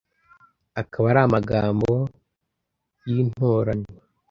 akaba ari amagambo y'intoranywa,